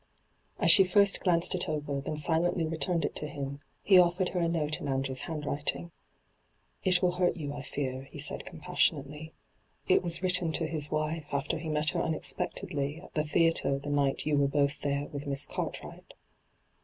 As she first glanced it over, then silently returned it to him, he offered her a note in Andrew's handwriting. ' It, will hurt you, I fear,' he said com passionately. ' It was written to his wife after he met her unexpectedly at the theatre the night you were both there with Miss Cartwright.'